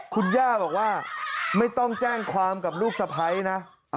คุณย่าบอกว่าไม่ต้องแจ้งความกับลูกสะพ้ายนะ